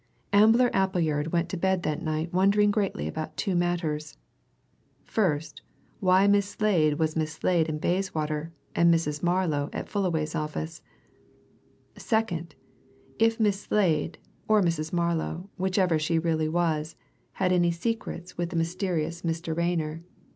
Ambler Appleyard went to bed that night wondering greatly about two matters first, why Miss Slade was Miss Slade in Bayswater and Mrs. Marlow at Fullaway's office; second, if Miss Slade or Mrs. Marlow, whichever she really was, had any secrets with the mysterious Mr. Rayner.